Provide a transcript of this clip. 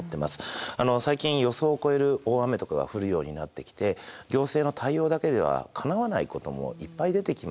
あの最近予想を超える大雨とかが降るようになってきて行政の対応だけではかなわないこともいっぱい出てきます。